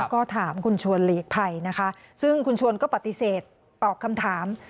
ก็ถามคุณชวนหลีกภัยนะคะซึ่งคุณชวนก็ปฏิเสธตอบคำถาม